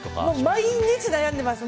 毎日悩んでます。